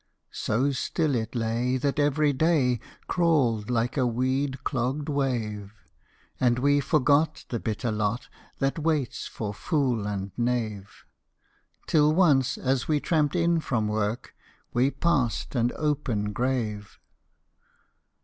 So still it lay that every day Crawled like a weed clogged wave: And we forgot the bitter lot That waits for fool and knave, Till once, as we tramped in from work, We passed an open grave.